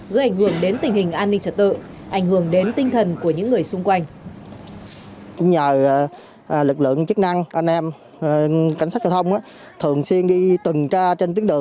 gây ảnh hưởng đến tình hình an ninh trật tự